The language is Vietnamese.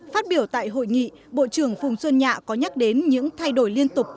phát biểu tại hội nghị bộ trưởng phùng xuân nhạ có nhắc đến những thay đổi liên tục